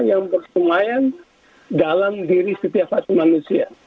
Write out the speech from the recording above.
yang berkemayang dalam diri setiap asing manusia